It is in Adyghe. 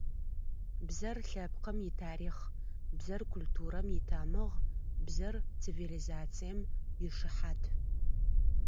Бзэр – лъэпкъым итарихъ, бзэр культурэм итамыгъ, бзэр цивилизацием ишыхьат.